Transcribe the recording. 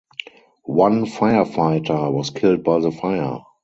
One firefighter was killed by the fire.